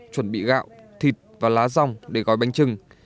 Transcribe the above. chuẩn bị gạo thịt và lá rong để gói bánh trưng